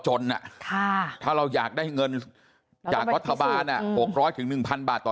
จนถ้าเราอยากได้เงินจากรัฐบาลออกร้อยถึง๑๐๐๐บาทต่อ